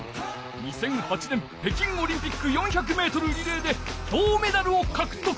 ２００８年北京オリンピック４００メートルリレーで銅メダルをかくとく。